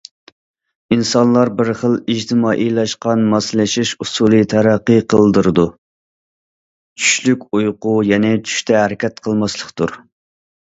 ئىنسانلار بىر خىل ئىجتىمائىيلاشقان ماسلىشىش ئۇسۇلى تەرەققىي قىلدۇرىدۇ: چۈشلۈك ئۇيقۇ، يەنى چۈشتە ھەرىكەت قىلماسلىقتۇر.